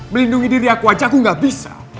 melindungi diri aku aja aku gak bisa